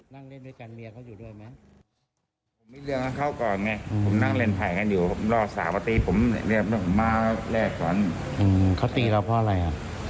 นั่งเล่นด้วยกันเมียเขาอยู่ด้วยไหม